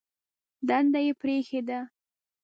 دنده یې پرېښې ده.